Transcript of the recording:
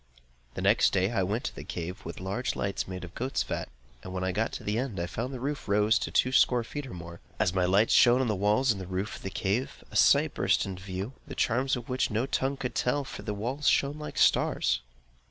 The next day, I went to the cave with large lights made of goat's fat; and when I got to the end, I found that the roof rose to two score feet or more. As my lights shone on the walls and roof of the cave, a sight burst on my view, the charms of which no tongue could tell; for the walls shone like stars.